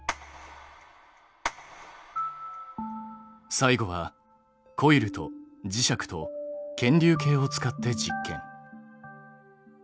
最後はコイルと磁石と検流計を使って実験。